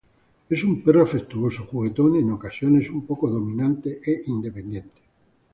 Es un perro afectuoso, juguetón, y en ocasiones, un poco dominante e independiente.